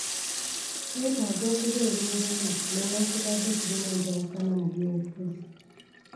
Twetaaga okubeera obumu newankubadde tulina enjawukana mu by'obufuzi.